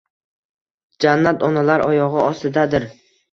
Jannat onalar oyog`i ostidadir